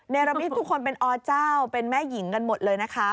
รมิตทุกคนเป็นอเจ้าเป็นแม่หญิงกันหมดเลยนะคะ